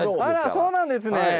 あらそうなんですね。